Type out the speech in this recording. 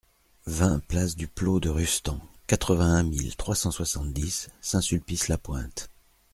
vingt place du Plô de Rustan, quatre-vingt-un mille trois cent soixante-dix Saint-Sulpice-la-Pointe